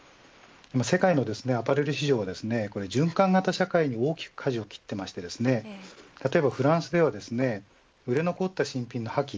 世界のアパレル市場は循環型社会に大きくかじを切っていまして例えばフランスでは売れ残った新品の破棄